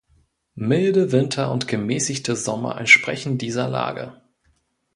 Milde Winter und gemäßigte Sommer entsprechen dieser Lage.